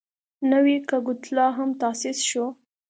نوی کګوتلا هم تاسیس شو.